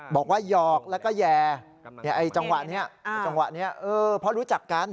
บอกว่าหยอกแล้วก็แหย่จังหวะเนี่ยเพราะรู้จักกัน